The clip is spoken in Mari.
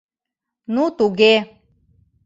— Ну туге.